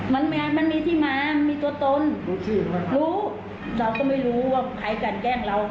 มันมีที่มามันมีตัวตนรู้เราก็ไม่รู้ว่าใครกันแกล้งเรา